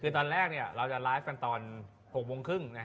คือตอนแรกเราจะไลฟ์กันตอน๖โมงครึ่ง